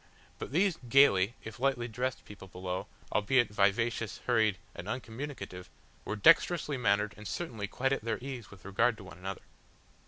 But these gaily, if lightly dressed people below, albeit vivacious, hurried and uncommunicative, were dexterously mannered and certainly quite at their ease with regard to one another.